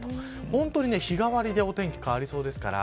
本当に日替わりでお天気が変わりそうですから